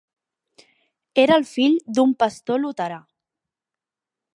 Era el fill d'un pastor luterà.